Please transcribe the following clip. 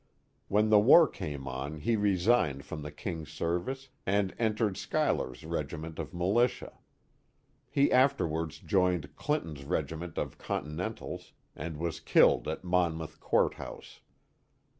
When the war came on he resigned from the King*s service and entered Schuyler*s Regiment of Militia. He afterwards joined Clinton's Regiment of Cor.tinentals. and was killed at Monmouth Court House.